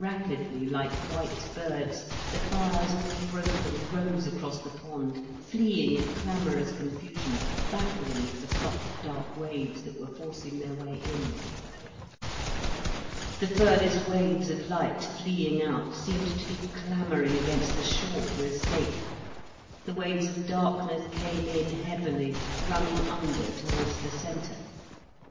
Rapidly, like white birds, the fires all broken rose across the pond, fleeing in clamorous confusion, battling with the flock of dark waves that were forcing their way in. The furthest waves of light, fleeing out, seemed to be clamouring against the shore for escape, the waves of darkness came in heavily, running under towards the centre.